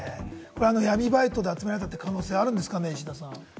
闇バイトで集められたって可能性はあるんですかね、石田さん。